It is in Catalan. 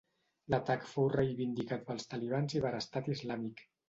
L'atac fou reivindicat pels talibans i per Estat Islàmic.